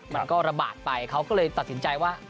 มันก็ระบาดไปเขาก็เลยตัดสินใจว่า